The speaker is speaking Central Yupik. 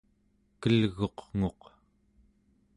kelguq'nguq